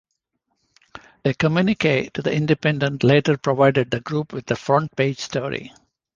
A communique to "The Independent" later provided the group with a frontpage story.